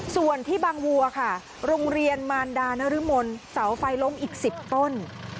ส่วนที่บางวัวค่ะโรงเรียนมารดานรมนเสาไฟล้มอีก๑๐ต้น